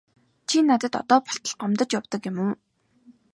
Чи надад одоо болтол гомдож явдаг юм уу?